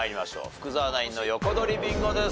福澤ナインの横取りビンゴです。